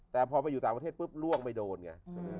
แต่พอไปอยู่ต่างประเทศปุ๊บล่วงไม่โดนไง